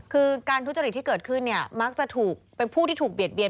คือการทุจริตที่เกิดขึ้นเนี่ยมักจะถูกเป็นผู้ที่ถูกเบียดเบียน